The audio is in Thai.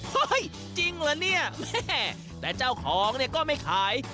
จริงเหรอเนี่ยแม่แต่เจ้าของเนี่ยก็ไม่ขาย